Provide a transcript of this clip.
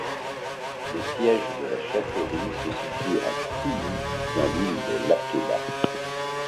Le siège de la chefferie se situe à Tubou sur l'île de Lakeba.